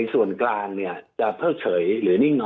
สวัสดีครับทุกคน